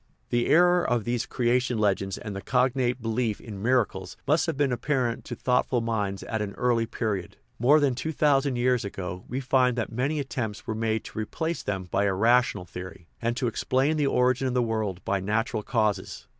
The error of these creation legends and the cognate belief in miracles must have been apparent to thought ful minds at an early period ; more than two thousand years ago we find that many attempts were made to replace them by a rational theory, and to explain the origin of the world by natural causes.